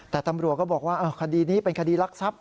แต่ตำรวจก็บอกว่าคดีนี้เป็นคดีรักทรัพย